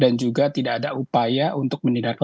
dan juga tidak ada upaya untuk menindaklanjuti awal